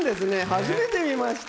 初めて見ました。